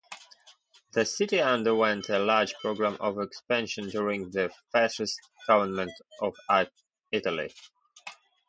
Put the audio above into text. The city underwent a large program of expansion during the Fascist government of Italy.